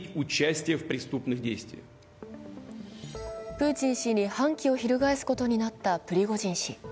プーチン氏に反旗を翻すことになったプリゴジン氏。